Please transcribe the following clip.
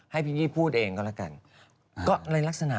ให้พิงกี้พูดเองก็ละกัน